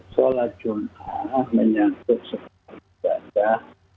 sholat jumat menyaksikan ibadah